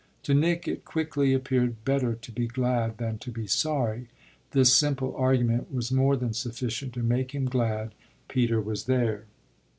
To Nick it quickly appeared better to be glad than to be sorry: this simple argument was more than sufficient to make him glad Peter was there.